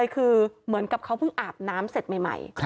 คือเหมือนกับเขาเพิ่งอาบน้ำเสร็จใหม่